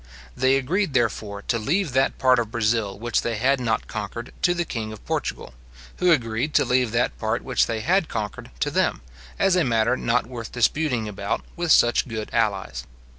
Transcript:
They agreed, therefore, to leave that part of Brazil which they had not conquered to the king of Portugal, who agreed to leave that part which they had conquered to them, as a matter not worth disputing about, with such good allies.